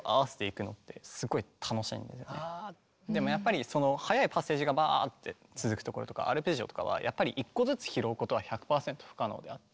でもやっぱり速いパッセージがバーッて続くところとかアルペジオとかはやっぱり１個ずつ拾うことは１００％不可能であって。